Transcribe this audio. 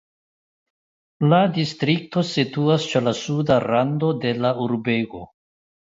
La distrikto situas ĉe la suda rando de la urbego.